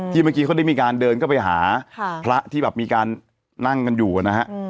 เมื่อกี้เขาได้มีการเดินเข้าไปหาพระที่แบบมีการนั่งกันอยู่นะฮะ